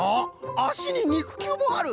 あしににくきゅうもある。